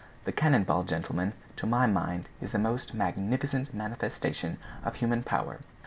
The cannon ball, gentlemen, to my mind, is the most magnificent manifestation of human power.